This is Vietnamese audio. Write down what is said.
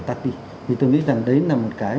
tắt đi thì tôi nghĩ rằng đấy là một cái